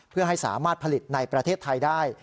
เพื่อให้สามารถผลิตในประเทศไทยได้